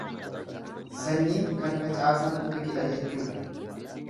Sanyiin kan facaasantu biqila jechuudha.